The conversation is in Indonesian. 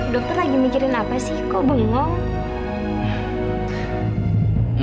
dokter lagi mikirin apa sih kok bengong